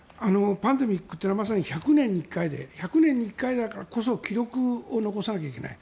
パンデミックというのはまさに１００年に１回で１００年に１回だからこそ記録を残さないといけない。